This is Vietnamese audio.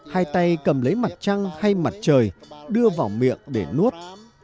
hai tay cầm lấy mặt trăng hay mặt trời đưa vào miệng để nuốt